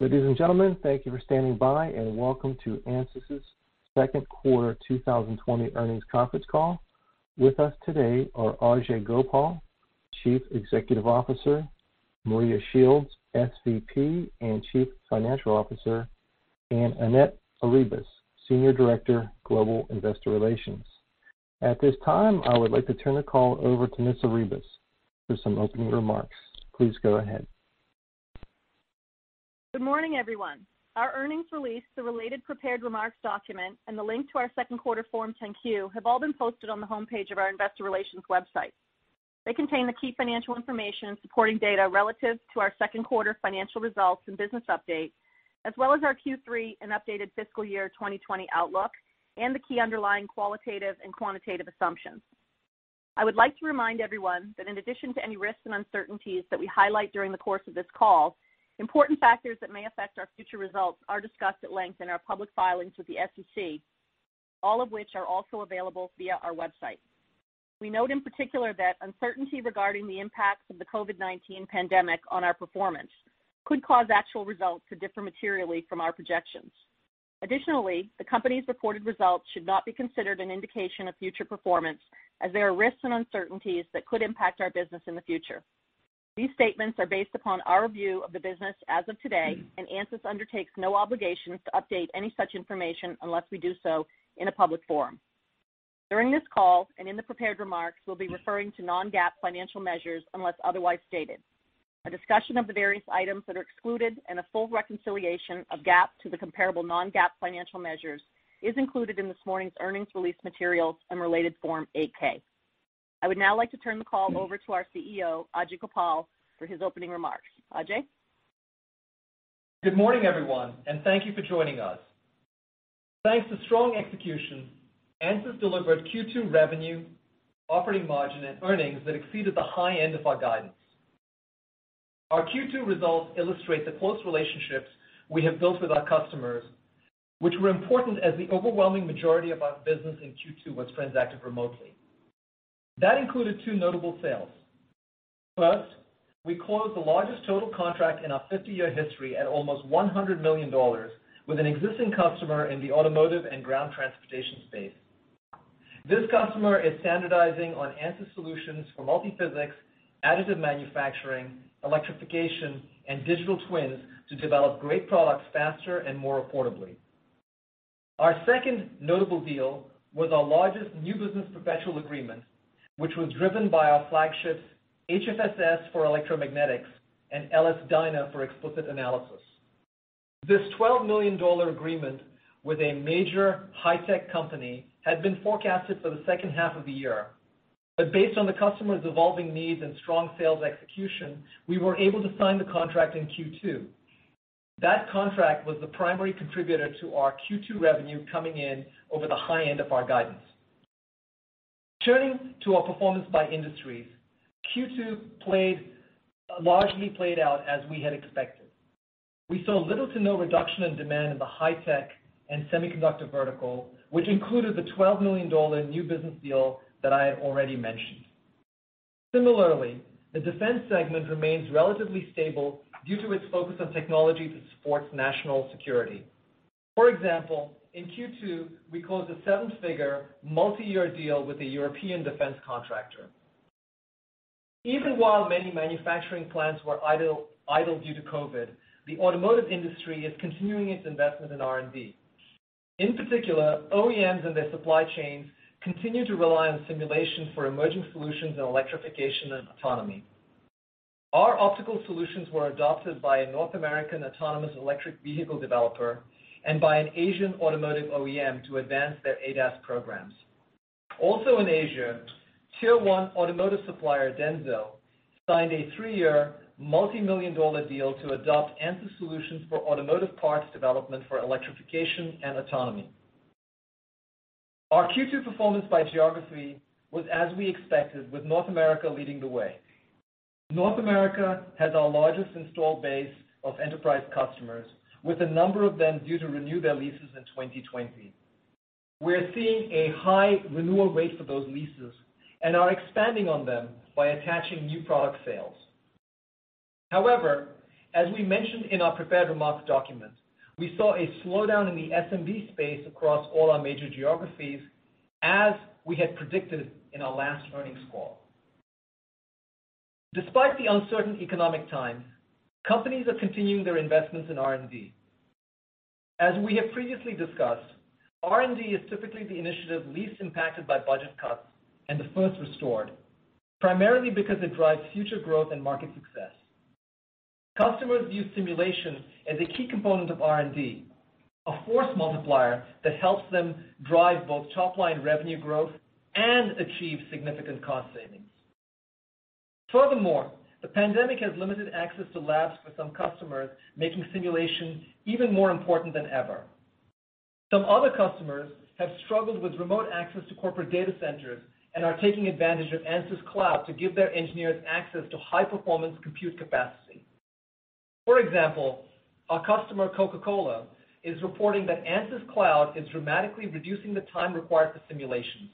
Ladies and gentlemen, thank you for standing by, and welcome to Ansys' second quarter 2020 earnings conference call. With us today are Ajei Gopal, Chief Executive Officer, Maria Shields, SVP and Chief Financial Officer, and Annette Arribas, Senior Director, Global Investor Relations. At this time, I would like to turn the call over to Ms. Arribas for some opening remarks. Please go ahead. Good morning, everyone. Our earnings release, the related prepared remarks document, and the link to our second quarter Form 10-Q have all been posted on the homepage of our investor relations website. They contain the key financial information and supporting data relative to our second quarter financial results and business update, as well as our Q3 and updated fiscal year 2020 outlook, and the key underlying qualitative and quantitative assumptions. I would like to remind everyone that in addition to any risks and uncertainties that we highlight during the course of this call, important factors that may affect our future results are discussed at length in our public filings with the SEC, all of which are also available via our website. We note in particular that uncertainty regarding the impacts of the COVID-19 pandemic on our performance could cause actual results to differ materially from our projections. Additionally, the company's reported results should not be considered an indication of future performance, as there are risks and uncertainties that could impact our business in the future. These statements are based upon our view of the business as of today. Ansys undertakes no obligations to update any such information unless we do so in a public forum. During this call, in the prepared remarks, we'll be referring to non-GAAP financial measures unless otherwise stated. A discussion of the various items that are excluded and a full reconciliation of GAAP to the comparable non-GAAP financial measures is included in this morning's earnings release materials and related Form 8-K. I would now like to turn the call over to our CEO, Ajei Gopal, for his opening remarks. Ajei? Good morning, everyone, and thank you for joining us. Thanks to strong execution, Ansys delivered Q2 revenue, operating margin, and earnings that exceeded the high end of our guidance. Our Q2 results illustrate the close relationships we have built with our customers, which were important as the overwhelming majority of our business in Q2 was transacted remotely. That included two notable sales. First, we closed the largest total contract in our 50-year history at almost $100 million with an existing customer in the automotive and ground transportation space. This customer is standardizing on Ansys solutions for multiphysics, additive manufacturing, electrification, and digital twins to develop great products faster and more affordably. Our second notable deal was our largest new business perpetual agreement, which was driven by our flagship HFSS for electromagnetics and LS-DYNA for explicit analysis. This $12 million agreement with a major high-tech company had been forecasted for the second half of the year. Based on the customer's evolving needs and strong sales execution, we were able to sign the contract in Q2. That contract was the primary contributor to our Q2 revenue coming in over the high end of our guidance. Turning to our performance by industries, Q2 largely played out as we had expected. We saw little to no reduction in demand in the high-tech and semiconductor vertical, which included the $12 million new business deal that I had already mentioned. Similarly, the defense segment remains relatively stable due to its focus on technology that supports national security. For example, in Q2, we closed a seven-figure, multi-year deal with a European defense contractor. Even while many manufacturing plants were idle due to COVID-19, the automotive industry is continuing its investment in R&D. In particular, OEMs and their supply chains continue to rely on simulation for emerging solutions in electrification and autonomy. Our optical solutions were adopted by a North American autonomous electric vehicle developer and by an Asian automotive OEM to advance their ADAS programs. Also in Asia, Tier 1 automotive supplier Denso signed a three-year, multimillion-dollar deal to adopt Ansys solutions for automotive parts development for electrification and autonomy. Our Q2 performance by geography was as we expected, with North America leading the way. North America has our largest installed base of enterprise customers, with a number of them due to renew their leases in 2020. We're seeing a high renewal rate for those leases and are expanding on them by attaching new product sales. However, as we mentioned in our prepared remarks document, we saw a slowdown in the SMB space across all our major geographies, as we had predicted in our last earnings call. Despite the uncertain economic times, companies are continuing their investments in R&D. As we have previously discussed, R&D is typically the initiative least impacted by budget cuts and the first restored, primarily because it drives future growth and market success. Customers view simulation as a key component of R&D, a force multiplier that helps them drive both top-line revenue growth and achieve significant cost savings. Furthermore, the pandemic has limited access to labs for some customers, making simulation even more important than ever. Some other customers have struggled with remote access to corporate data centers and are taking advantage of Ansys Cloud to give their engineers access to high-performance compute capacity. For example, our customer Coca-Cola is reporting that Ansys Cloud is dramatically reducing the time required for simulations,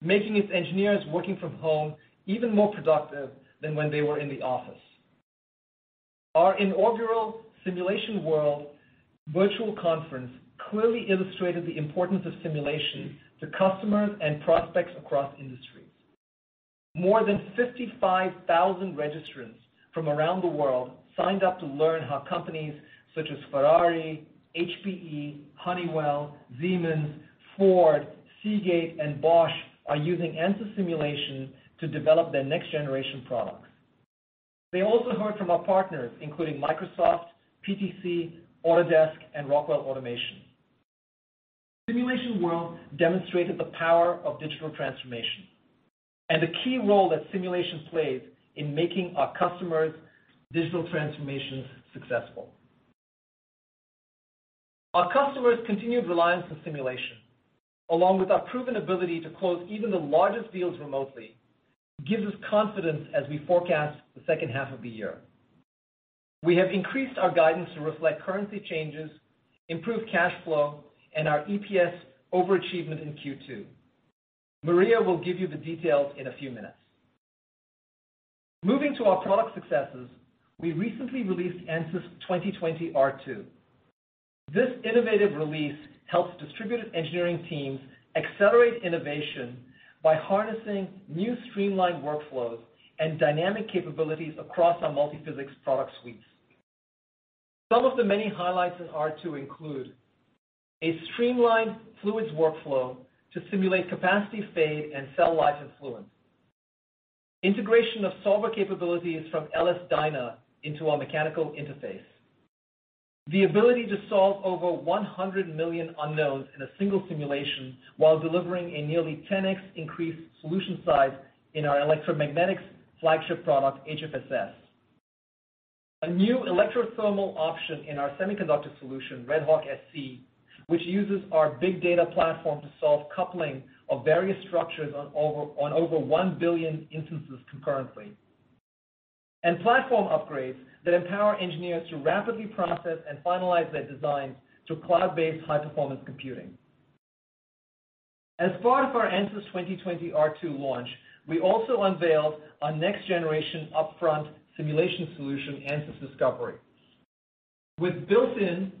making its engineers working from home even more productive than when they were in the office. Our inaugural Simulation World virtual conference clearly demonstrated the importance of simulation to customers and prospects across industries. More than 55,000 registrants from around the world signed up to learn how companies such as Ferrari, HPE, Honeywell, Siemens, Ford, Seagate, and Bosch are using Ansys simulation to develop their next-generation products. They also heard from our partners, including Microsoft, PTC, Autodesk, and Rockwell Automation. Simulation World demonstrated the power of digital transformation and the key role that simulation plays in making our customers' digital transformations successful. Our customers' continued reliance on simulation, along with our proven ability to close even the largest deals remotely, gives us confidence as we forecast the second half of the year. We have increased our guidance to reflect currency changes, improved cash flow, and our EPS overachievement in Q2. Maria will give you the details in a few minutes. Moving to our product successes, we recently released Ansys 2020 R2. This innovative release helps distributed engineering teams accelerate innovation by harnessing new streamlined workflows and dynamic capabilities across our multiphysics product suites. Some of the many highlights in R2 include a streamlined fluids workflow to simulate capacity fade and cell life in Fluent. Integration of solver capabilities from LS-DYNA into our mechanical interface. The ability to solve over 100 million unknowns in a single simulation while delivering a nearly 10X increased solution size in our electromagnetics flagship product, HFSS. A new electrothermal option in our semiconductor solution, RedHawk-SC, which uses our big data platform to solve coupling of various structures on over 1 billion instances concurrently. Platform upgrades that empower engineers to rapidly process and finalize their designs through cloud-based high-performance computing. As part of our Ansys 2020 R2 launch, we also unveiled our next-generation upfront simulation solution, Ansys Discovery. With built-in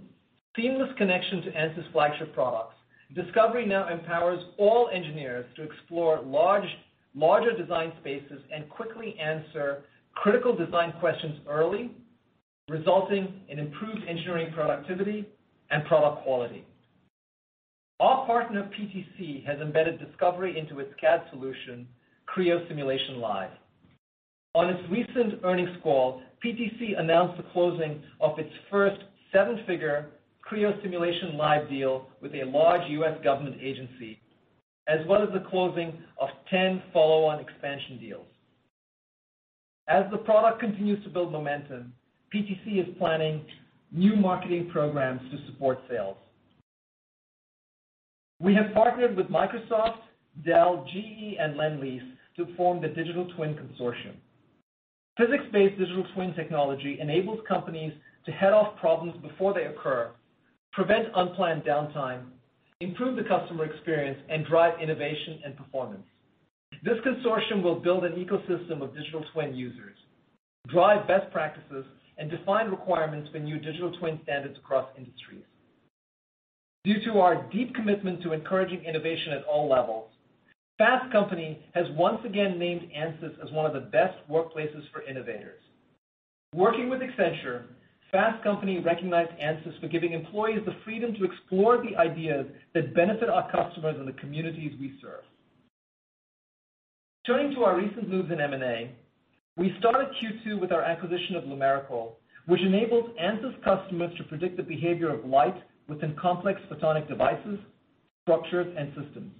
seamless connection to Ansys flagship products, Discovery now empowers all engineers to explore larger design spaces and quickly answer critical design questions early, resulting in improved engineering productivity and product quality. Our partner, PTC, has embedded Discovery into its CAD solution, Creo Simulation Live. On its recent earnings call, PTC announced the closing of its first seven-figure Creo Simulation Live deal with a large US government agency, as well as the closing of 10 follow-on expansion deals. As the product continues to build momentum, PTC is planning new marketing programs to support sales. We have partnered with Microsoft, Dell, GE, and Lendlease to form the Digital Twin Consortium. Physics-based digital twin technology enables companies to head off problems before they occur, prevent unplanned downtime, improve the customer experience, and drive innovation and performance. This consortium will build an ecosystem of digital twin users, drive best practices, and define requirements for new digital twin standards across industries. Due to our deep commitment to encouraging innovation at all levels, Fast Company has once again named Ansys as one of the best workplaces for innovators. Working with Accenture, Fast Company recognized Ansys for giving employees the freedom to explore the ideas that benefit our customers and the communities we serve. Turning to our recent moves in M&A, we started Q2 with our acquisition of Lumerical, which enables Ansys customers to predict the behavior of light within complex photonic devices, structures, and systems.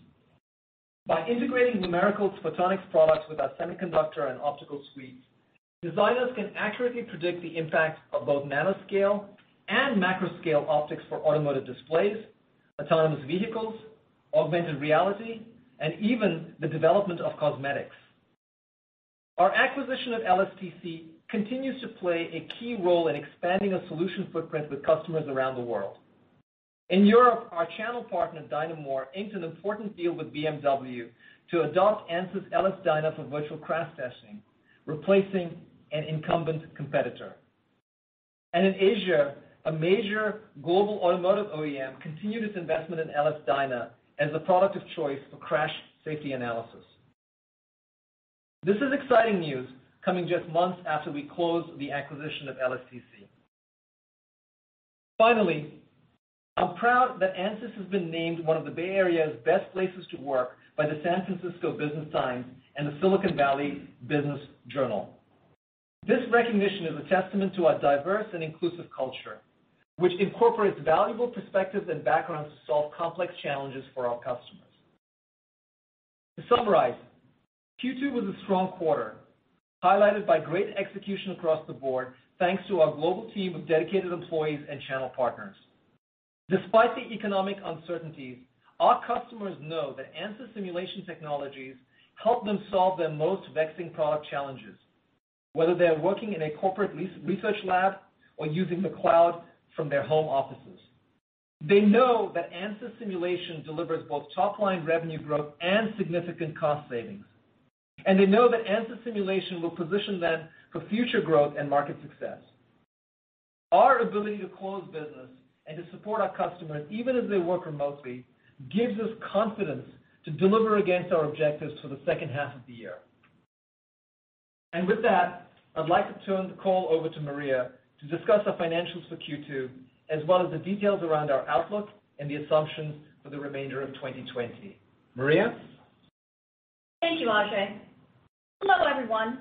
By integrating Lumerical's photonics products with our semiconductor and optical suites, designers can accurately predict the impact of both nanoscale and macroscale optics for automotive displays, autonomous vehicles, augmented reality, and even the development of cosmetics. Our acquisition of LSTC continues to play a key role in expanding our solution footprint with customers around the world. In Europe, our channel partner, DYNAmore, inked an important deal with BMW to adopt Ansys LS-DYNA for virtual crash testing, replacing an incumbent competitor. In Asia, a major global automotive OEM continued its investment in LS-DYNA as a product of choice for crash safety analysis. This is exciting news coming just months after we closed the acquisition of LSTC. I'm proud that Ansys has been named one of the Bay Area's best places to work by the San Francisco Business Times and the Silicon Valley Business Journal. This recognition is a testament to our diverse and inclusive culture, which incorporates valuable perspectives and backgrounds to solve complex challenges for our customers. To summarize, Q2 was a strong quarter, highlighted by great execution across the board, thanks to our global team of dedicated employees and channel partners. Despite the economic uncertainties, our customers know that Ansys simulation technologies help them solve their most vexing product challenges, whether they are working in a corporate research lab or using the cloud from their home offices. They know that Ansys simulation delivers both top-line revenue growth and significant cost savings. They know that Ansys simulation will position them for future growth and market success. Our ability to close business and to support our customers, even as they work remotely, gives us confidence to deliver against our objectives for the second half of the year. With that, I'd like to turn the call over to Maria to discuss our financials for Q2, as well as the details around our outlook and the assumptions for the remainder of 2020. Maria? Thank you, Ajei. Hello, everyone.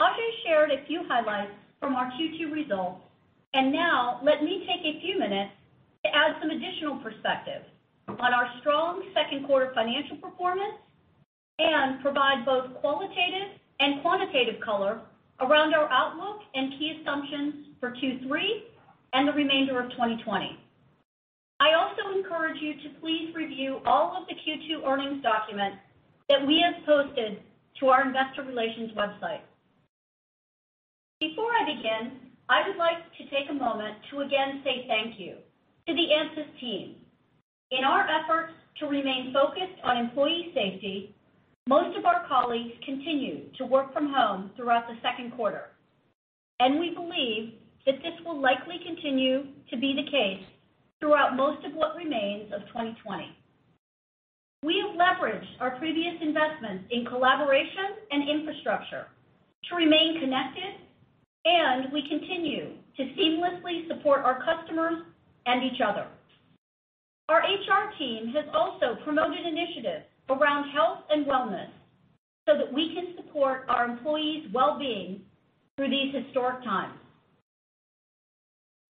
Ajei shared a few highlights from our Q2 results, and now let me take a few minutes to add some additional perspective on our strong second quarter financial performance, and provide both qualitative and quantitative color around our outlook and key assumptions for Q3 and the remainder of 2020. I also encourage you to please review all of the Q2 earnings documents that we have posted to our investor relations website. Before I begin, I would like to take a moment to again say thank you to the Ansys team. In our efforts to remain focused on employee safety, most of our colleagues continued to work from home throughout the second quarter, and we believe that this will likely continue to be the case throughout most of what remains of 2020. We have leveraged our previous investments in collaboration and infrastructure to remain connected, and we continue to seamlessly support our customers and each other. Our HR team has also promoted initiatives around health and wellness so that we can support our employees' well-being through these historic times.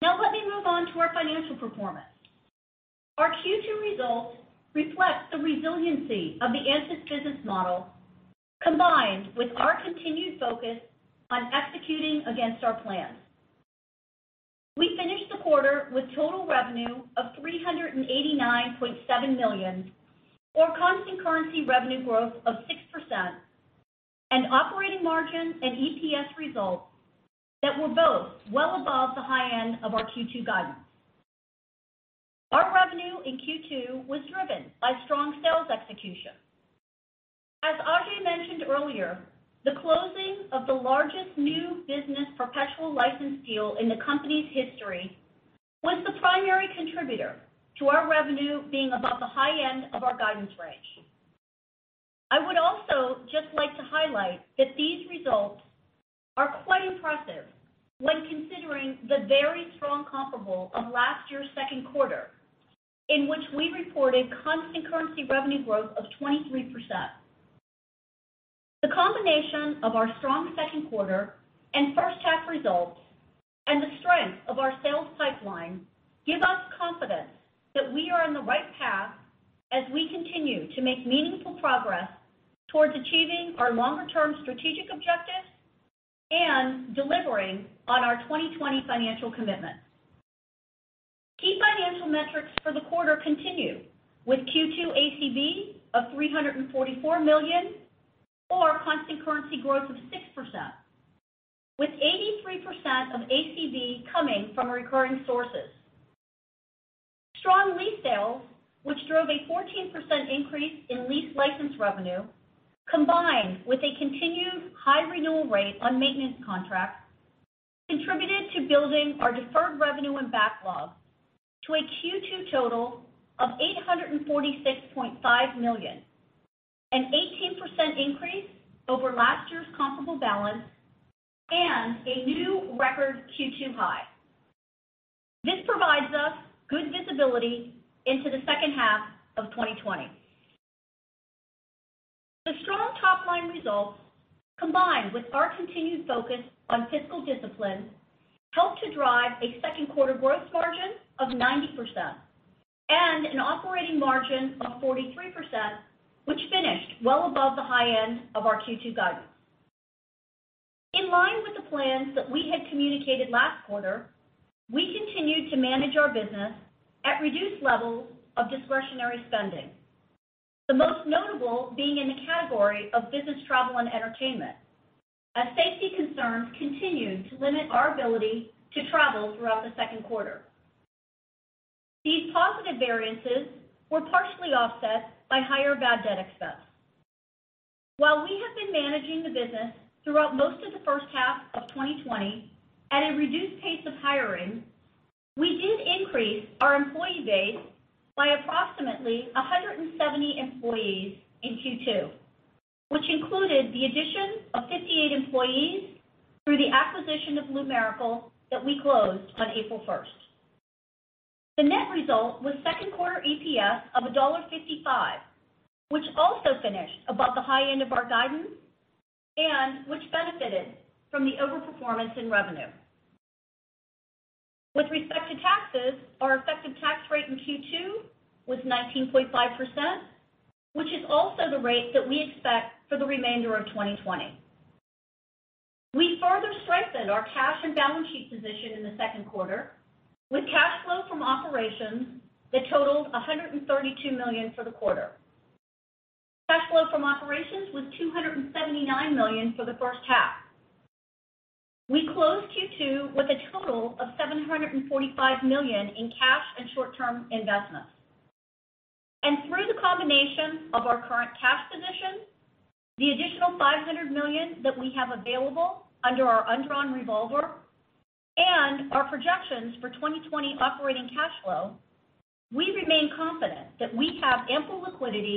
Now let me move on to our financial performance. Our Q2 results reflect the resiliency of the Ansys business model, combined with our continued focus on executing against our plans. We finished the quarter with total revenue of $389.7 million, or constant currency revenue growth of 6%, and operating margin and EPS results that were both well above the high end of our Q2 guidance. Our revenue in Q2 was driven by strong sales execution. As Ajei mentioned earlier, the closing of the largest new business perpetual license deal in the company's history was the primary contributor to our revenue being above the high end of our guidance range. I would also just like to highlight that these results are quite impressive when considering the very strong comparable of last year's second quarter, in which we reported constant currency revenue growth of 23%. The combination of our strong second quarter and first half results, and the strength of our sales pipeline, give us confidence that we are on the right path as we continue to make meaningful progress towards achieving our longer term strategic objectives and delivering on our 2020 financial commitments. Key financial metrics for the quarter continue, with Q2 ACV of $344 million or constant currency growth of 6%, with 83% of ACV coming from recurring sources. Strong lease sales, which drove a 14% increase in lease license revenue, combined with a continued high renewal rate on maintenance contracts, contributed to building our deferred revenue and backlog to a Q2 total of $846.5 million, an 18% increase over last year's comparable balance and a new record Q2 high. This provides us good visibility into the second half of 2020. The strong top-line results, combined with our continued focus on fiscal discipline, helped to drive a second quarter gross margin of 90% and an operating margin of 43%, which finished well above the high end of our Q2 guidance. In line with the plans that we had communicated last quarter, we continued to manage our business at reduced levels of discretionary spending, the most notable being in the category of business travel and entertainment, as safety concerns continued to limit our ability to travel throughout the second quarter. These positive variances were partially offset by higher bad debt expense. While we have been managing the business throughout most of the first half of 2020 at a reduced pace of hiring, we did increase our employee base by approximately 170 employees in Q2, which included the addition of 58 employees through the acquisition of Lumerical that we closed on April 1st. The net result was second quarter EPS of $1.55, which also finished above the high end of our guidance, and which benefited from the over-performance in revenue. With respect to taxes, our effective tax rate in Q2 was 19.5%, which is also the rate that we expect for the remainder of 2020. We further strengthened our cash and balance sheet position in the second quarter with cash flow from operations that totaled $132 million for the quarter. From operations was $279 million for the first half. We closed Q2 with a total of $745 million in cash and short-term investments. Through the combination of our current cash position, the additional $500 million that we have available under our undrawn revolver, and our projections for 2020 operating cash flow, we remain confident that we have ample liquidity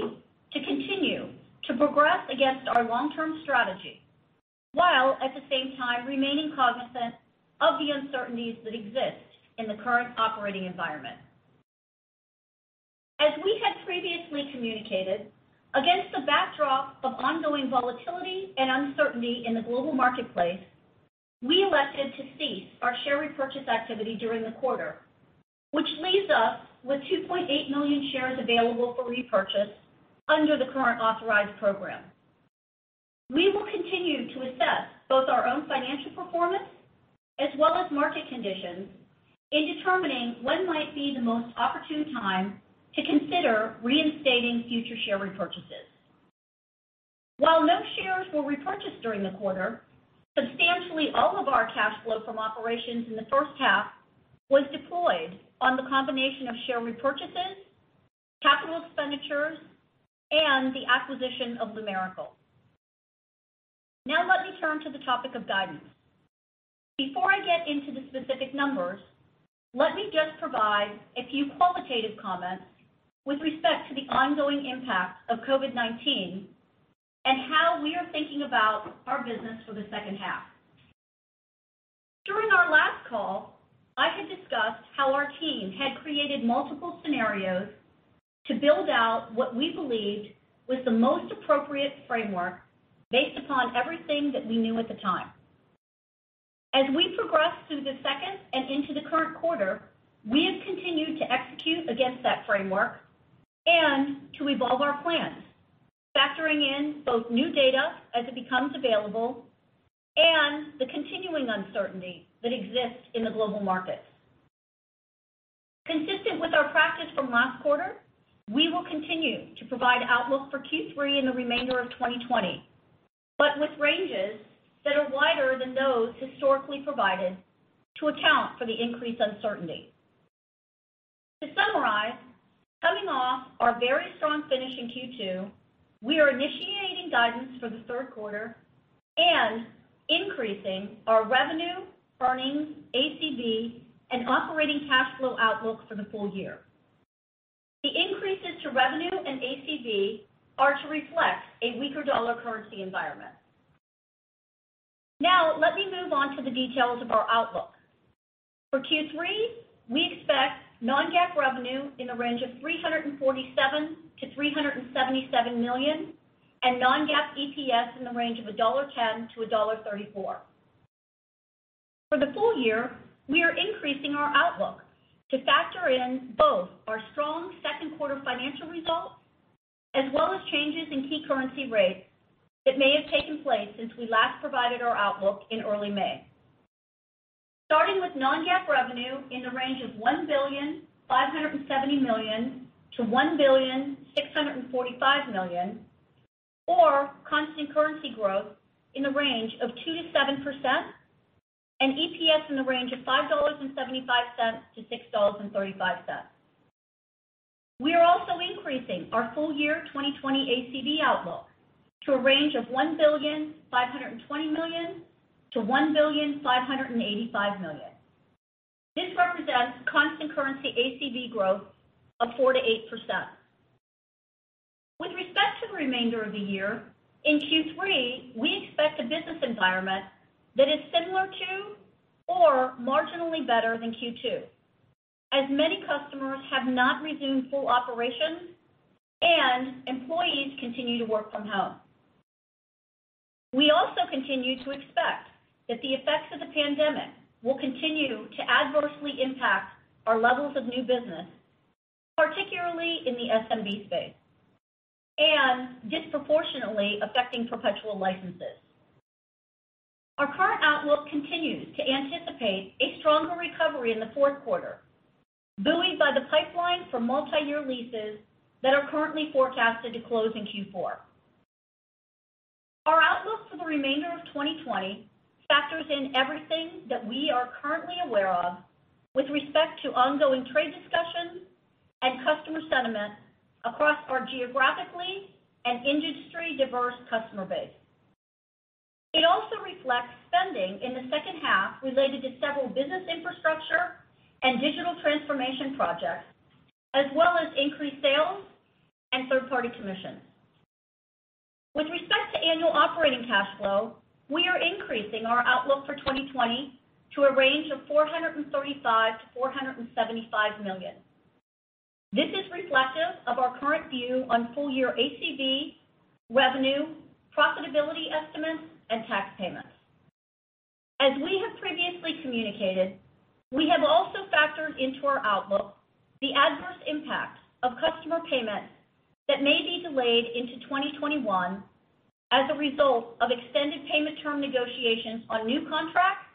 to continue to progress against our long-term strategy, while at the same time remaining cognizant of the uncertainties that exist in the current operating environment. As we had previously communicated, against the backdrop of ongoing volatility and uncertainty in the global marketplace, we elected to cease our share repurchase activity during the quarter, which leaves us with 2.8 million shares available for repurchase under the current authorized program. We will continue to assess both our own financial performance as well as market conditions in determining when might be the most opportune time to consider reinstating future share repurchases. While no shares were repurchased during the quarter, substantially all of our cash flow from operations in the first half was deployed on the combination of share repurchases, capital expenditures, and the acquisition of Lumerical. Now let me turn to the topic of guidance. Before I get into the specific numbers, let me just provide a few qualitative comments with respect to the ongoing impact of COVID-19 and how we are thinking about our business for the second half. During our last call, I had discussed how our team had created multiple scenarios to build out what we believed was the most appropriate framework based upon everything that we knew at the time. As we progress through the second and into the current quarter, we have continued to execute against that framework and to evolve our plans, factoring in both new data as it becomes available and the continuing uncertainty that exists in the global markets. Consistent with our practice from last quarter, we will continue to provide outlook for Q3 and the remainder of 2020, but with ranges that are wider than those historically provided to account for the increased uncertainty. To summarize, coming off our very strong finish in Q2, we are initiating guidance for the third quarter and increasing our revenue, earnings, ACV, and operating cash flow outlook for the full year. The increases to revenue and ACV are to reflect a weaker dollar currency environment. Let me move on to the details of our outlook. For Q3, we expect non-GAAP revenue in the range of $347 million-$377 million and non-GAAP EPS in the range of $1.10-$1.34. For the full year, we are increasing our outlook to factor in both our strong second quarter financial results as well as changes in key currency rates that may have taken place since we last provided our outlook in early May. Starting with non-GAAP revenue in the range of $1,570 million-$1,645 million, or constant currency growth in the range of 2%-7% and EPS in the range of $5.75-$6.35. We are also increasing our full year 2020 ACV outlook to a range of $1,520 million-$1,585 million. This represents constant currency ACV growth of 4%-8%. With respect to the remainder of the year, in Q3, we expect a business environment that is similar to or marginally better than Q2, as many customers have not resumed full operations and employees continue to work from home. We also continue to expect that the effects of the pandemic will continue to adversely impact our levels of new business, particularly in the SMB space, and disproportionately affecting perpetual licenses. Our current outlook continues to anticipate a stronger recovery in the fourth quarter, buoyed by the pipeline for multi-year leases that are currently forecasted to close in Q4. Our outlook for the remainder of 2020 factors in everything that we are currently aware of with respect to ongoing trade discussions and customer sentiment across our geographically and industry-diverse customer base. It also reflects spending in the second half related to several business infrastructure and digital transformation projects, as well as increased sales and third-party commissions. With respect to annual operating cash flow, we are increasing our outlook for 2020 to a range of $435 million-$475 million. This is reflective of our current view on full-year ACV, revenue, profitability estimates, and tax payments. As we have previously communicated, we have also factored into our outlook the adverse impact of customer payments that may be delayed into 2021 as a result of extended payment term negotiations on new contracts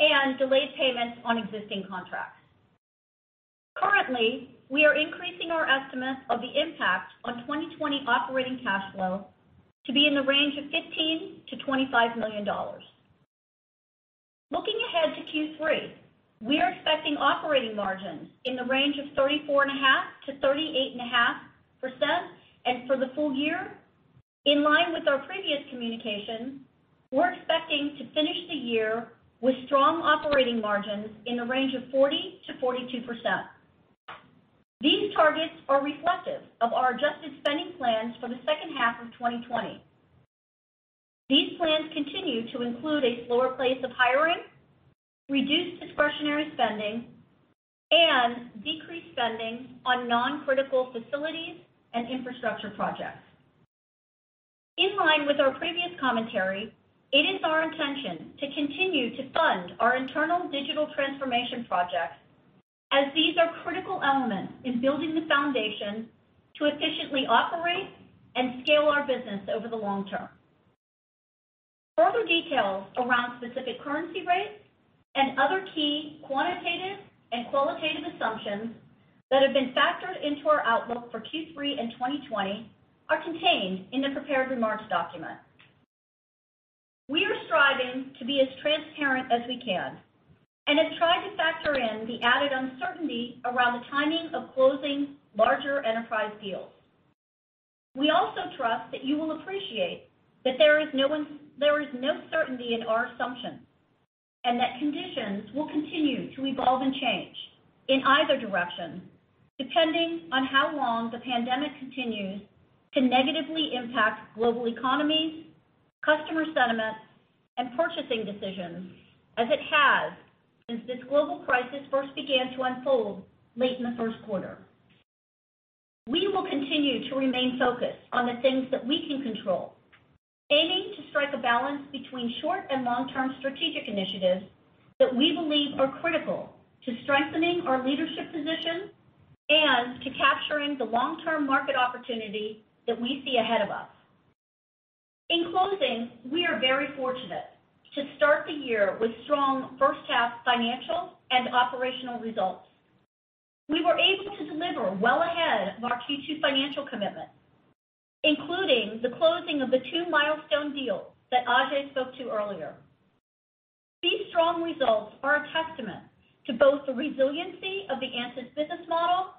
and delayed payments on existing contracts. Currently, we are increasing our estimate of the impact on 2020 operating cash flow to be in the range of $15 million-$25 million. Looking ahead to Q3, we are expecting operating margins in the range of 34.5%-38.5%. For the full year, in line with our previous communication, we're expecting to finish the year with strong operating margins in the range of 40%-42%. These targets are reflective of our adjusted spending plans for the second half of 2020. These plans continue to include a slower pace of hiring, reduced discretionary spending, and decreased spending on non-critical facilities and infrastructure projects. In line with our previous commentary, it is our intention to continue to fund our internal digital transformation projects, as these are critical elements in building the foundation to efficiently operate and scale our business over the long term. Further details around specific currency rates and other key quantitative and qualitative assumptions that have been factored into our outlook for Q3 in 2020 are contained in the prepared remarks document. We are striving to be as transparent as we can and have tried to factor in the added uncertainty around the timing of closing larger enterprise deals. We also trust that you will appreciate that there is no certainty in our assumptions, and that conditions will continue to evolve and change in either direction, depending on how long the pandemic continues to negatively impact global economies, customer sentiments, and purchasing decisions, as it has since this global crisis first began to unfold late in the first quarter. We will continue to remain focused on the things that we can control, aiming to strike a balance between short and long-term strategic initiatives that we believe are critical to strengthening our leadership position and to capturing the long-term market opportunity that we see ahead of us. In closing, we are very fortunate to start the year with strong first half financials and operational results. We were able to deliver well ahead of our Q2 financial commitments, including the closing of the two milestone deals that Ajei spoke to earlier. These strong results are a testament to both the resiliency of the Ansys business model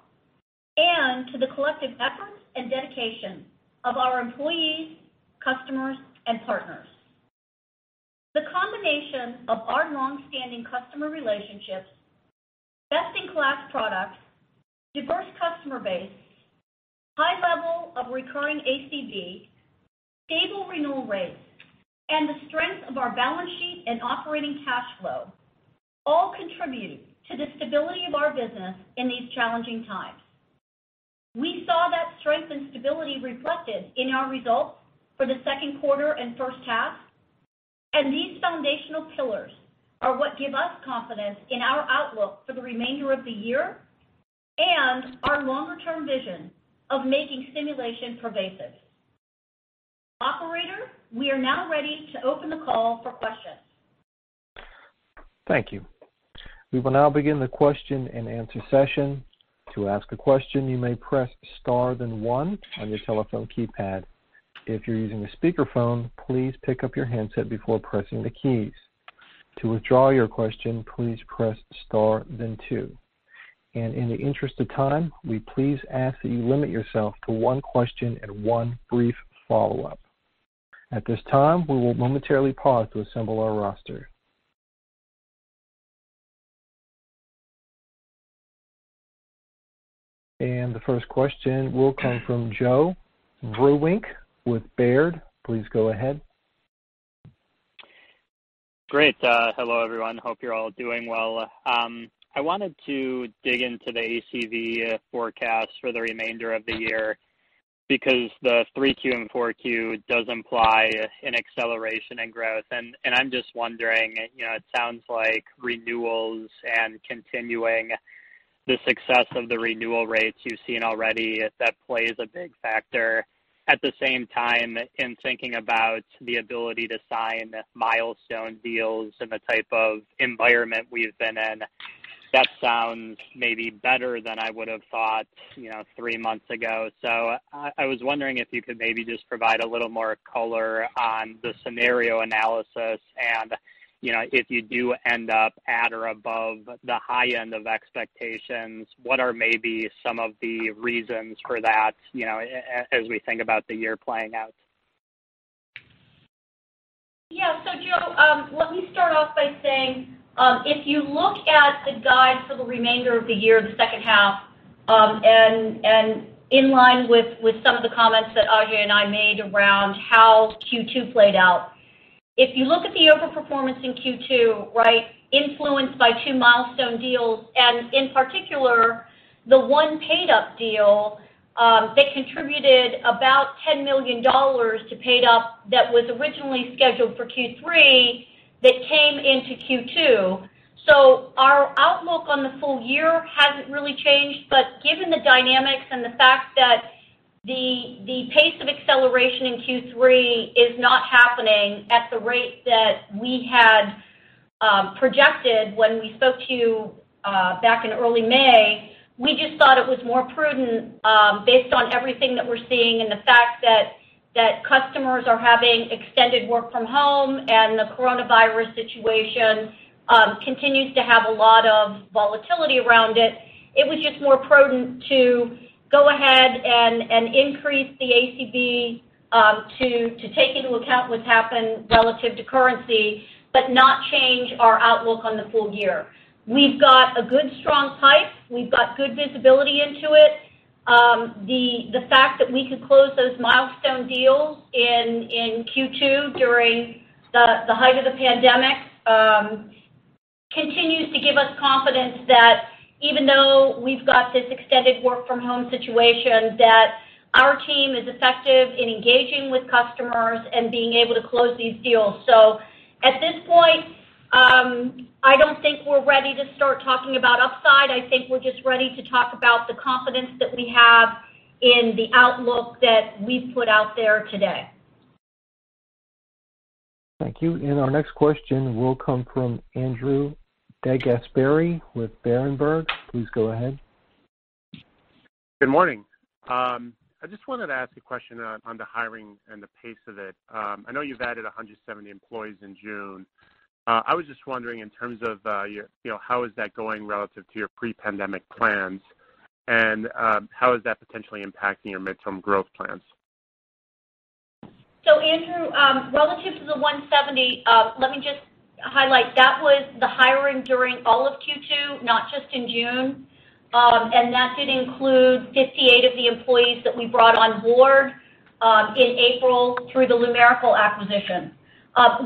and to the collective efforts and dedication of our employees, customers, and partners. The combination of our long-standing customer relationships, best-in-class products, diverse customer base, high level of recurring ACV, stable renewal rates, and the strength of our balance sheet and operating cash flow all contribute to the stability of our business in these challenging times. We saw that strength and stability reflected in our results for the second quarter and first half. These foundational pillars are what give us confidence in our outlook for the remainder of the year and our longer-term vision of making simulation pervasive. Operator, we are now ready to open the call for questions. Thank you. We will now begin the question and answer session. To ask a question, you may press star then one on your telephone keypad. If you're using a speakerphone, please pick up your handset before pressing the keys. To withdraw your question, please press star then two. In the interest of time, we please ask that you limit yourself to one question and one brief follow-up. At this time, we will momentarily pause to assemble our roster. The first question will come from Joe Vruwink with Baird. Please go ahead. Great. Hello, everyone. Hope you're all doing well. I wanted to dig into the ACV forecast for the remainder of the year, because the 3Q and 4Q does imply an acceleration in growth. I'm just wondering, it sounds like renewals and continuing the success of the renewal rates you've seen already, if that plays a big factor. At the same time, in thinking about the ability to sign milestone deals in the type of environment we've been in, that sounds maybe better than I would have thought three months ago. I was wondering if you could maybe just provide a little more color on the scenario analysis and, if you do end up at or above the high end of expectations, what are maybe some of the reasons for that, as we think about the year playing out? Yeah. Joe, let me start off by saying, if you look at the guide for the remainder of the year, the second half, and in line with some of the comments that Ajei and I made around how Q2 played out. If you look at the overperformance in Q2, right, influenced by two milestone deals, and in particular, the one paid-up deal, that contributed about $10 million to paid-up that was originally scheduled for Q3, that came into Q2. Given the dynamics and the fact that the pace of acceleration in Q3 is not happening at the rate that we had projected when we spoke to you back in early May. We just thought it was more prudent, based on everything that we're seeing and the fact that customers are having extended work from home, and the coronavirus situation continues to have a lot of volatility around it. It was just more prudent to go ahead and increase the ACV to take into account what's happened relative to currency, but not change our outlook on the full year. We've got a good, strong pipe. We've got good visibility into it. The fact that we could close those milestone deals in Q2 during the height of the pandemic continues to give us confidence that, even though we've got this extended work from home situation, that our team is effective in engaging with customers and being able to close these deals. At this point, I don't think we're ready to start talking about upside. I think we're just ready to talk about the confidence that we have in the outlook that we've put out there today. Thank you. Our next question will come from Andrew DeGasperi with Berenberg. Please go ahead. Good morning. I just wanted to ask a question on the hiring and the pace of it. I know you've added 170 employees in June. I was just wondering in terms of how is that going relative to your pre-pandemic plans, and how is that potentially impacting your midterm growth plans? Andrew, relative to the 170 employees, let me just highlight, that was the hiring during all of Q2, not just in June. That did include 58 of the employees that we brought on board in April through the Lumerical acquisition.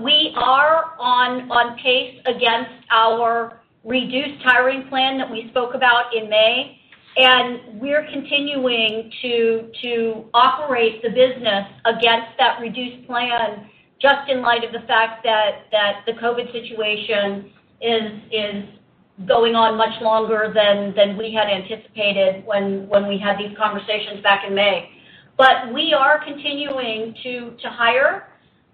We are on pace against our reduced hiring plan that we spoke about in May, and we're continuing to operate the business against that reduced plan, just in light of the fact that the COVID situation is going on much longer than we had anticipated when we had these conversations back in May. We are continuing to hire,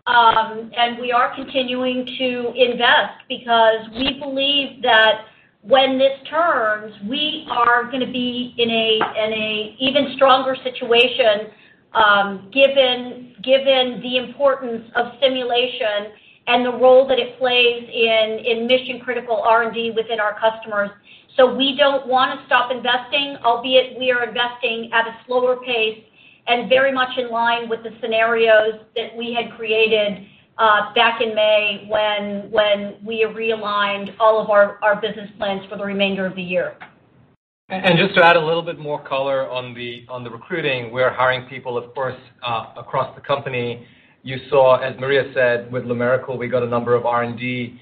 and we are continuing to invest because we believe that when this turns, we are going to be in a even stronger situation given the importance of simulation and the role that it plays in mission-critical R&D within our customers. We don't want to stop investing, albeit we are investing at a slower pace and very much in line with the scenarios that we had created back in May when we realigned all of our business plans for the remainder of the year. Just to add a little bit more color on the recruiting, we're hiring people, of course, across the company. You saw, as Maria said, with Lumerical, we got a number of R&D,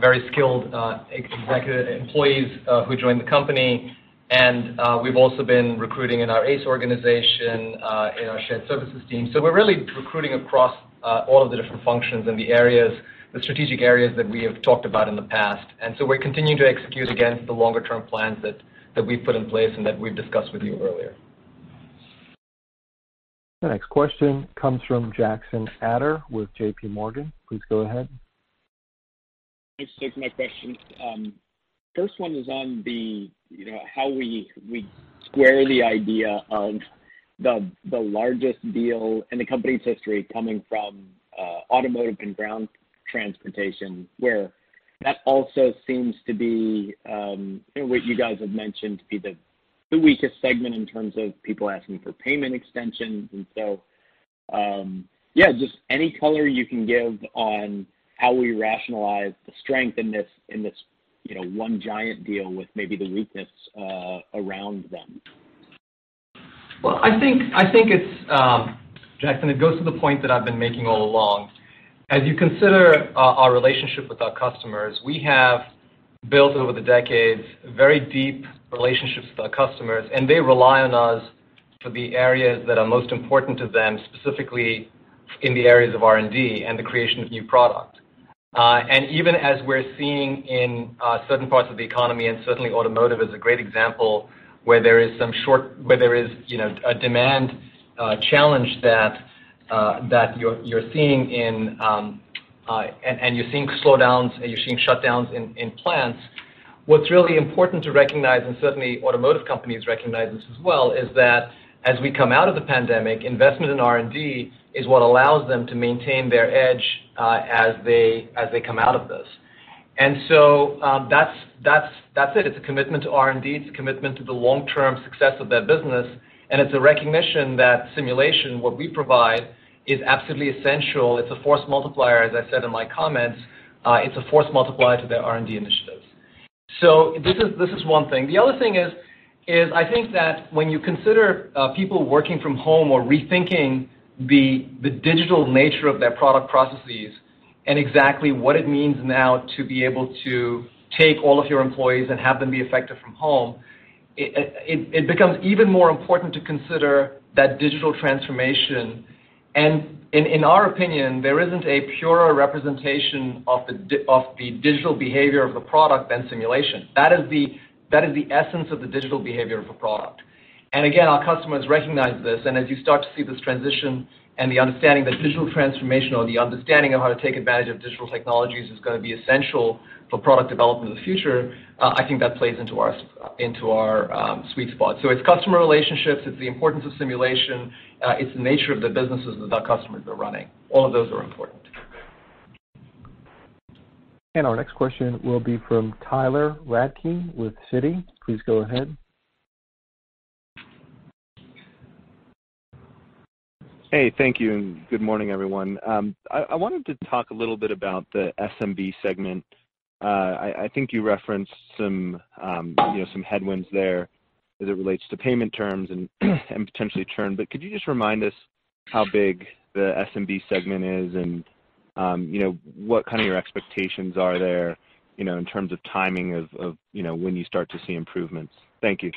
very skilled executive employees who joined the company, and we've also been recruiting in our ACE organization, in our shared services team. We're really recruiting across all of the different functions and the strategic areas that we have talked about in the past. We're continuing to execute against the longer-term plans that we've put in place and that we've discussed with you earlier. The next question comes from Jackson Ader with JPMorgan. Please go ahead. Thanks. Two quick questions. First one is on how we square the idea of the largest deal in the company's history coming from automotive and ground transportation, where that also seems to be what you guys have mentioned to be the weakest segment in terms of people asking for payment extensions. Yeah, just any color you can give on how we rationalize the strength in this one giant deal with maybe the weakness around them. Well, I think, Jackson, it goes to the point that I've been making all along. As you consider our relationship with our customers, we have built over the decades very deep relationships with our customers, and they rely on us for the areas that are most important to them, specifically in the areas of R&D and the creation of new product. Even as we're seeing in certain parts of the economy, and certainly automotive is a great example, where there is a demand challenge that you're seeing, and you're seeing slowdowns, and you're seeing shutdowns in plants. What's really important to recognize, and certainly automotive companies recognize this as well, is that as we come out of the pandemic, investment in R&D is what allows them to maintain their edge as they come out of this. That's it. It's a commitment to R&D. It's a commitment to the long-term success of their business, and it's a recognition that simulation, what we provide, is absolutely essential. It's a force multiplier, as I said in my comments. It's a force multiplier to their R&D initiatives. This is one thing. The other thing is I think that when you consider people working from home or rethinking the digital nature of their product processes and exactly what it means now to be able to take all of your employees and have them be effective from home, it becomes even more important to consider that digital transformation. In our opinion, there isn't a purer representation of the digital behavior of a product than simulation. That is the essence of the digital behavior of a product. Again, our customers recognize this, and as you start to see this transition and the understanding that digital transformation or the understanding of how to take advantage of digital technologies is going to be essential for product development in the future, I think that plays into our sweet spot. It's customer relationships, it's the importance of simulation, it's the nature of the businesses that our customers are running. All of those are important. Our next question will be from Tyler Radke with Citi. Please go ahead. Hey, thank you, and good morning, everyone. I wanted to talk a little bit about the SMB segment. I think you referenced some headwinds there as it relates to payment terms and potentially churn, but could you just remind us how big the SMB segment is and what kind of your expectations are there, in terms of timing of when you start to see improvements? Thank you.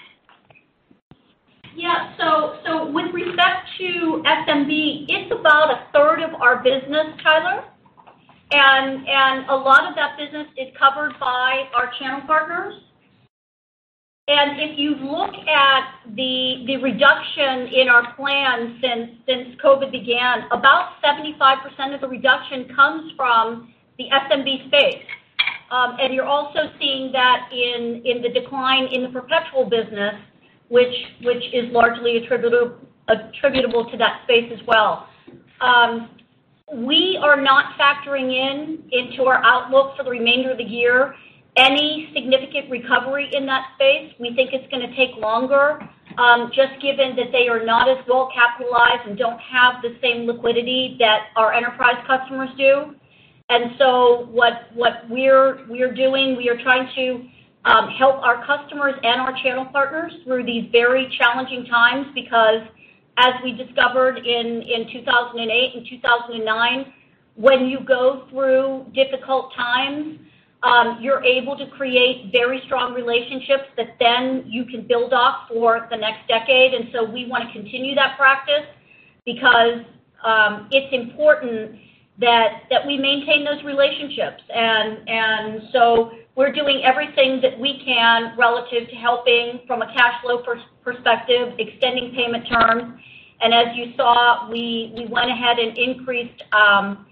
With respect to SMB, it's about a third of our business, Tyler, a lot of that business is covered by our channel partners. If you look at the reduction in our plans since COVID began, about 75% of the reduction comes from the SMB space. You're also seeing that in the decline in the perpetual business, which is largely attributable to that space as well. We are not factoring in, into our outlook for the remainder of the year, any significant recovery in that space. We think it's going to take longer, just given that they are not as well capitalized and don't have the same liquidity that our enterprise customers do. What we're doing, we are trying to help our customers and our channel partners through these very challenging times, because as we discovered in 2008 and 2009, when you go through difficult times, you're able to create very strong relationships that then you can build off for the next decade. We want to continue that practice because it's important that we maintain those relationships. We're doing everything that we can relative to helping from a cash flow perspective, extending payment terms. As you saw, we went ahead and increased our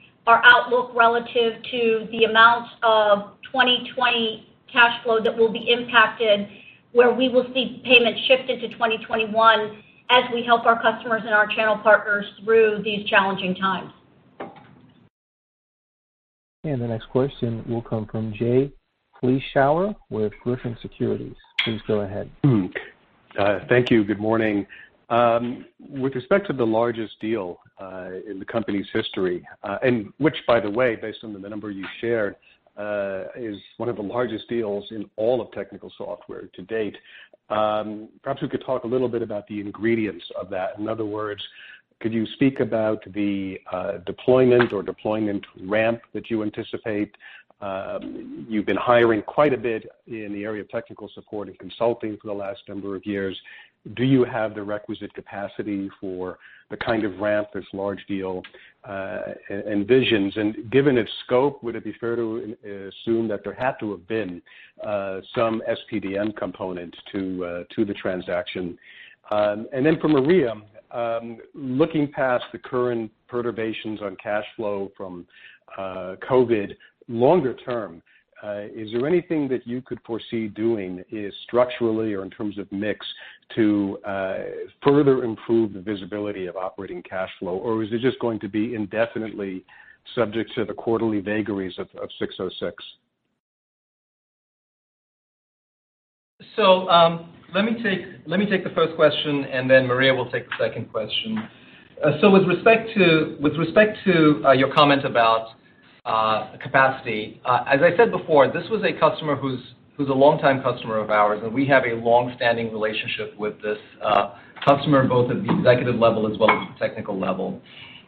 outlook relative to the amount of 2020 cash flow that will be impacted, where we will see payments shifted to 2021 as we help our customers and our channel partners through these challenging times. The next question will come from Jay Vleeschhouwer with Griffin Securities. Please go ahead. Thank you. Good morning. With respect to the largest deal in the company's history, which by the way, based on the number you shared, is one of the largest deals in all of technical software to date. Perhaps we could talk a little bit about the ingredients of that. In other words, could you speak about the deployment or deployment ramp that you anticipate? You've been hiring quite a bit in the area of technical support and consulting for the last number of years. Do you have the requisite capacity for the kind of ramp this large deal envisions? Given its scope, would it be fair to assume that there had to have been some SPDM component to the transaction? For Maria, looking past the current perturbations on cash flow from COVID longer term, is there anything that you could foresee doing structurally or in terms of mix to further improve the visibility of operating cash flow? Or is it just going to be indefinitely subject to the quarterly vagaries of ASC 606? Let me take the first question, and then Maria will take the second question. With respect to your comment about capacity, as I said before, this was a customer who's a longtime customer of ours, and we have a long-standing relationship with this customer, both at the executive level as well as the technical level.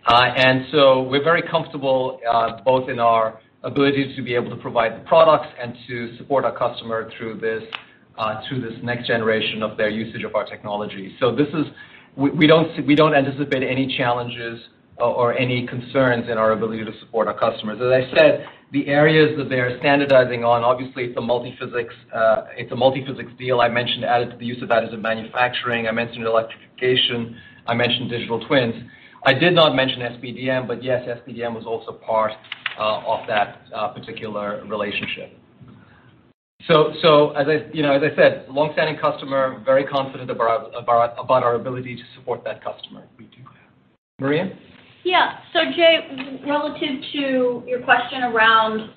We're very comfortable, both in our abilities to be able to provide the products and to support our customer through this next generation of their usage of our technology. We don't anticipate any challenges or any concerns in our ability to support our customers. As I said, the areas that they are standardizing on, obviously it's a multiphysics deal. I mentioned additive manufacturing. I mentioned electrification. I mentioned digital twins. I did not mention SPDM, but yes, SPDM was also part of that particular relationship. As I said, long-standing customer, very confident about our ability to support that customer. We do. Maria? Yeah. Jay, relative to your question around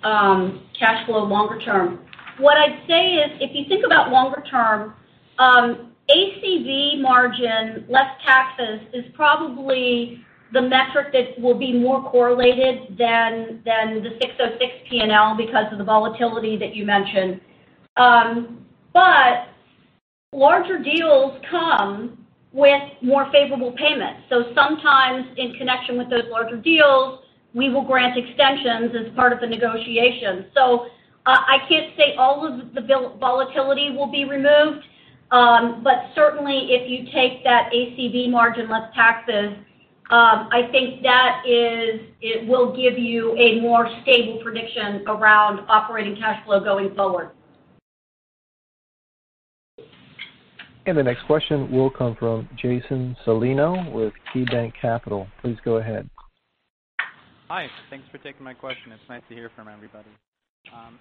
cash flow longer term, what I'd say is if you think about longer term, ACV margin, less taxes is probably the metric that will be more correlated than the 606 P&L because of the volatility that you mentioned. Larger deals come with more favorable payments. Sometimes in connection with those larger deals, we will grant extensions as part of the negotiation. I can't say all of the volatility will be removed. Certainly, if you take that ACV margin less taxes, I think that it will give you a more stable prediction around operating cash flow going forward. The next question will come from Jason Celino with KeyBanc Capital. Please go ahead. Hi. Thanks for taking my question. It's nice to hear from everybody.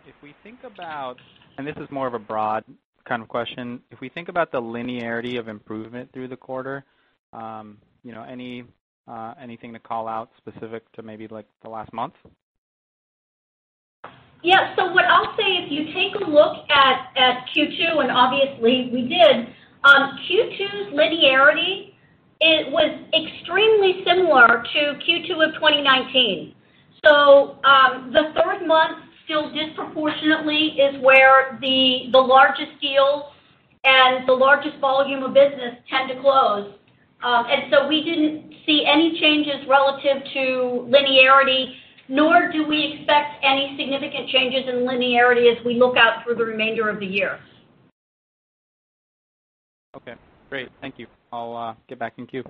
If we think about, and this is more of a broad kind of question, if we think about the linearity of improvement through the quarter, anything to call out specific to maybe the last month? Yeah. What I'll say, if you take a look at Q2, and obviously we did, Q2's linearity, it was extremely similar to Q2 of 2019. The third month still disproportionately is where the largest deals and the largest volume of business tend to close. We didn't see any changes relative to linearity, nor do we expect any significant changes in linearity as we look out through the remainder of the year. Okay, great. Thank you. I'll get back in queue.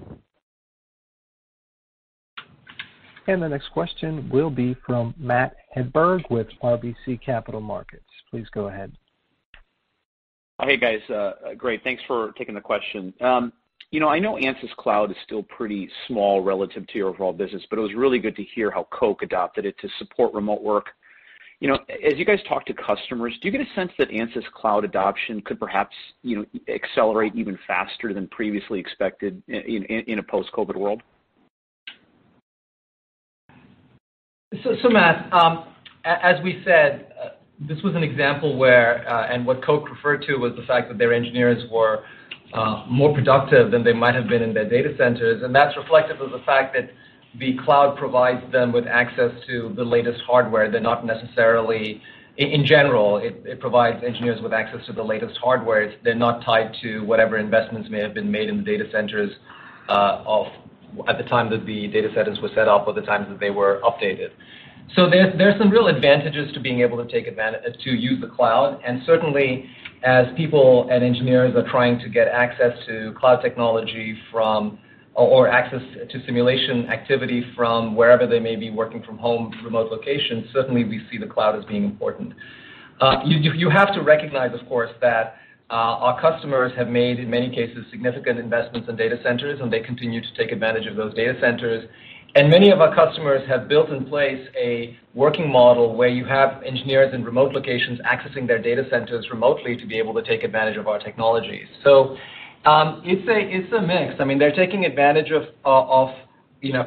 The next question will be from Matt Hedberg with RBC Capital Markets. Please go ahead. Hey, guys. Great. Thanks for taking the question. I know Ansys Cloud is still pretty small relative to your overall business, but it was really good to hear how Koch adopted it to support remote work. As you guys talk to customers, do you get a sense that Ansys Cloud adoption could perhaps accelerate even faster than previously expected in a post-COVID world? Matt, as we said, this was an example where, and what Koch referred to was the fact that their engineers were more productive than they might have been in their data centers, and that's reflective of the fact that the cloud provides them with access to the latest hardware. In general, it provides engineers with access to the latest hardware. They're not tied to whatever investments may have been made in the data centers at the time that the data centers were set up, or the times that they were updated. There's some real advantages to being able to use the cloud, and certainly as people and engineers are trying to get access to cloud technology or access to simulation activity from wherever they may be working from home, remote locations, certainly we see the cloud as being important. You have to recognize, of course, that our customers have made, in many cases, significant investments in data centers, and they continue to take advantage of those data centers. Many of our customers have built in place a working model where you have engineers in remote locations accessing their data centers remotely to be able to take advantage of our technology. It's a mix. They're taking advantage of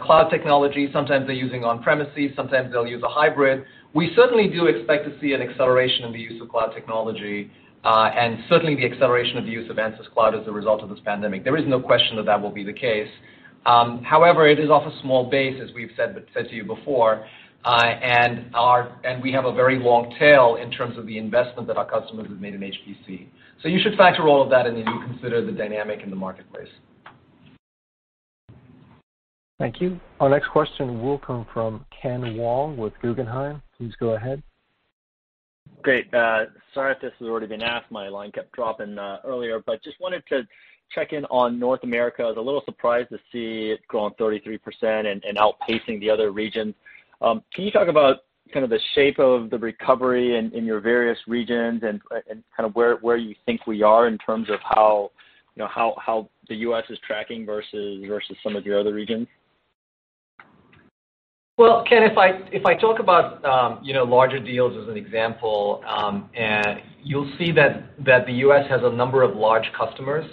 cloud technology. Sometimes they're using on-premises, sometimes they'll use a hybrid. We certainly do expect to see an acceleration in the use of cloud technology, and certainly the acceleration of the use of Ansys Cloud as a result of this pandemic. There is no question that that will be the case. It is off a small base, as we've said to you before, and we have a very long tail in terms of the investment that our customers have made in HPC. You should factor all of that in as you consider the dynamic in the marketplace. Thank you. Our next question will come from Ken Wong with Guggenheim. Please go ahead. Great. Sorry if this has already been asked. My line kept dropping earlier. Just wanted to check in on North America. I was a little surprised to see it growing 33% and outpacing the other regions. Can you talk about kind of the shape of the recovery in your various regions and kind of where you think we are in terms of how the U.S. is tracking versus some of your other regions? Ken, if I talk about larger deals as an example, you'll see that the U.S. has a number of large customers,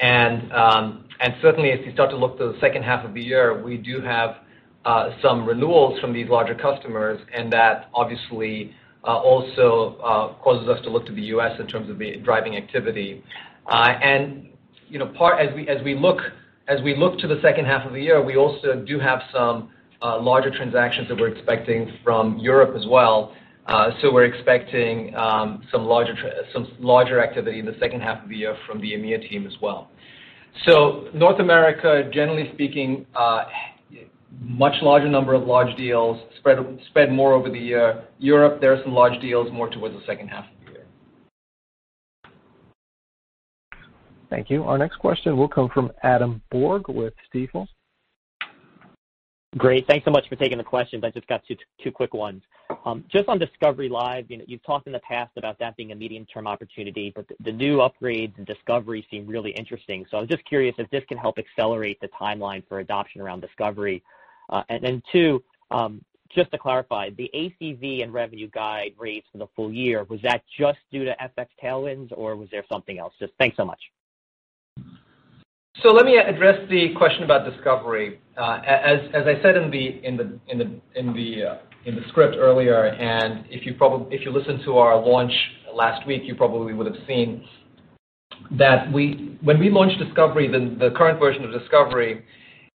and certainly as you start to look to the second half of the year, we do have some renewals from these larger customers, and that obviously also causes us to look to the U.S. in terms of the driving activity. As we look to the second half of the year, we also do have some larger transactions that we're expecting from Europe as well. We're expecting some larger activity in the second half of the year from the EMEA team as well. North America, generally speaking, much larger number of large deals spread more over the year. Europe, there are some large deals more towards the second half of the year. Thank you. Our next question will come from Adam Borg with Stifel. Great. Thanks so much for taking the questions. I've just got two quick ones. On Discovery Live, you've talked in the past about that being a medium-term opportunity, but the new upgrades and Discovery seem really interesting. I was just curious if this can help accelerate the timeline for adoption around Discovery. Two, just to clarify, the ACV and revenue guide raised for the full year, was that just due to FX tailwinds, or was there something else? Thanks so much. Let me address the question about Discovery. As I said in the script earlier, and if you listened to our launch last week, you probably would've seen that when we launched Discovery, the current version of Discovery,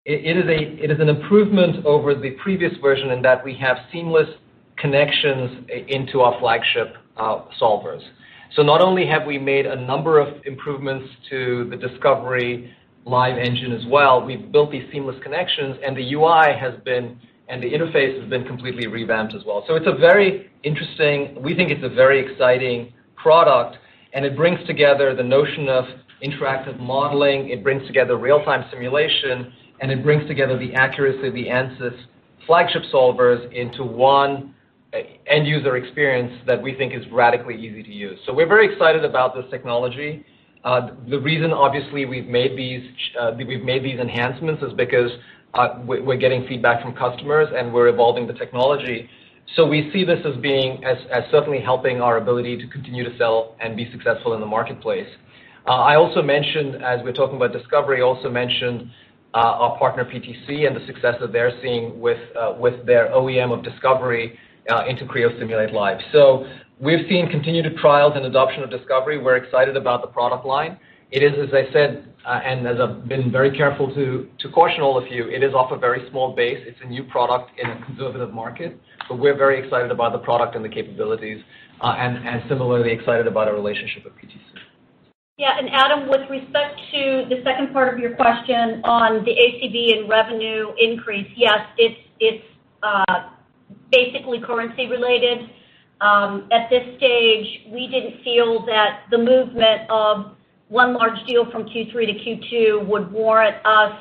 it is an improvement over the previous version in that we have seamless connections into our flagship solvers. Not only have we made a number of improvements to the Ansys Discovery Live engine as well, we've built these seamless connections, and the UI and the interface has been completely revamped as well. It's a very interesting, we think it's a very exciting product. It brings together the notion of interactive modeling, it brings together real-time simulation, and it brings together the accuracy of the Ansys flagship solvers into one end-user experience that we think is radically easy to use. We're very excited about this technology. The reason, obviously, we've made these enhancements is because we're getting feedback from customers, and we're evolving the technology. We see this as certainly helping our ability to continue to sell and be successful in the marketplace. I also mentioned, as we're talking about Discovery, also mentioned our partner, PTC, and the success that they're seeing with their OEM of Discovery into Creo Simulation Live. We've seen continued trials and adoption of Discovery. We're excited about the product line. It is, as I said, and as I've been very careful to caution all of you, it is off a very small base. It's a new product in a conservative market. We're very excited about the product and the capabilities, and similarly excited about our relationship with PTC. Yeah. Adam, with respect to the second part of your question on the ACV and revenue increase, yes, it's basically currency related. At this stage, we didn't feel that the movement of one large deal from Q3 to Q2 would warrant us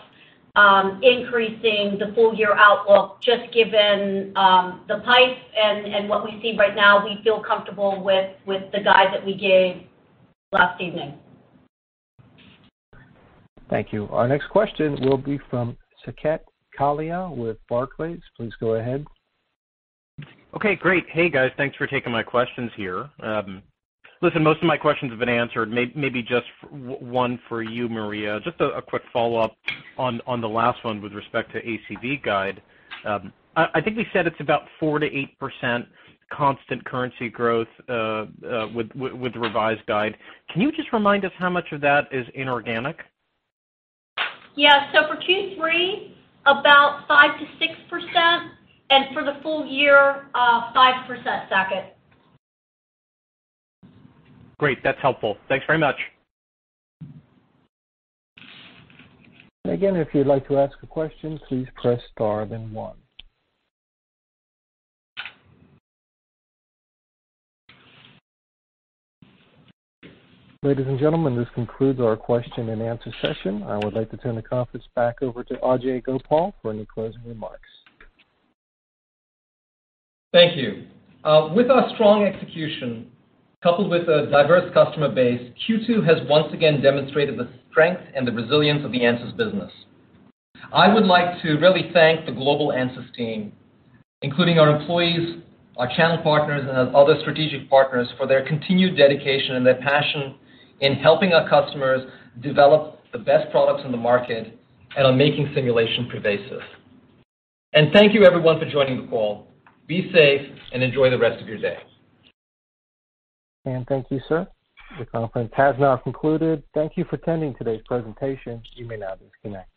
increasing the full-year outlook just given the pipe and what we see right now. We feel comfortable with the guide that we gave last evening. Thank you. Our next question will be from Saket Kalia with Barclays. Please go ahead. Okay, great. Hey, guys. Thanks for taking my questions here. Listen, most of my questions have been answered. Maybe just one for you, Maria. Just a quick follow-up on the last one with respect to ACV guide. I think we said it's about 4%-8% constant currency growth with the revised guide. Can you just remind us how much of that is inorganic? Yeah. For Q3, about 5%-6%, and for the full year, 5%, Saket. Great. That's helpful. Thanks very much. If you'd like to ask a question, please press star then one. Ladies and gentlemen, this concludes our question-and-answer session. I would like to turn the conference back over to Ajei Gopal for any closing remarks. Thank you. With our strong execution coupled with a diverse customer base, Q2 has once again demonstrated the strength and the resilience of the Ansys business. I would like to really thank the global Ansys team, including our employees, our channel partners, and our other strategic partners for their continued dedication and their passion in helping our customers develop the best products in the market and on making simulation pervasive. Thank you, everyone, for joining the call. Be safe, and enjoy the rest of your day. Thank you, sir. This conference has now concluded. Thank you for attending today's presentation. You may now disconnect.